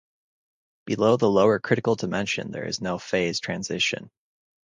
Below the lower critical dimension there is no phase transition.